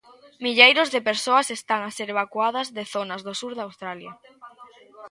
Milleiros de persoas están a ser evacuadas de zonas do sur de Australia.